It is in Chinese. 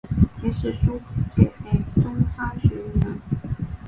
即使输给松商学园。